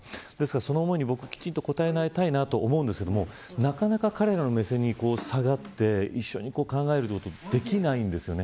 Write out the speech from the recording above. その思いにきちんと応えたいなと思うんですけどなかなか彼らの目線に下がって一緒に考えるということができないですよね。